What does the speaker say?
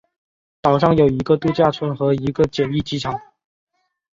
岛上有一个度假村和一个简易机场。